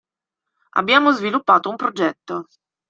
Abbiamo sviluppato un progetto.